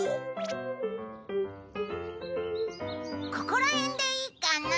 ここら辺でいいかな。